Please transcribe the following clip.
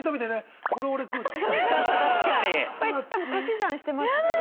多分足し算してますしね。